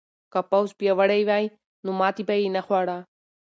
که پوځ پیاوړی وای نو ماتې به یې نه خوړه.